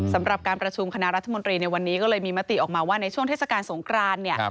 สำหรับการประชุมคณะรัฐมนตรีในวันนี้ก็เลยมีมติออกมาว่าในช่วงเทศกาลสงครานเนี่ย